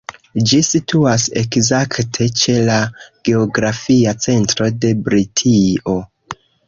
Ĝi situas ekzakte ĉe la geografia centro de Britio.